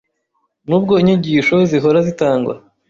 Nubwo inyigisho zihora zitangwa